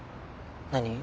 何？